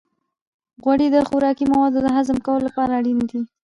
غوړې د خوراکي موادو د هضم کولو لپاره اړینې دي.